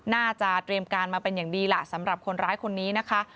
น่าจะเตรียมการมาเป็นอย่างดีล่ะสำหรับคนร้ายคนนี้นะคะ